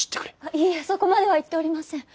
いいえそこまでは言っておりません。